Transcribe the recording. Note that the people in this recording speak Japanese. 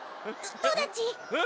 どうだち？